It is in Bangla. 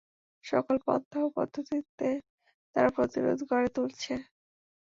সকল পন্থা ও পদ্ধতিতে তারা প্রতিরোধ গড়ে তুলছে।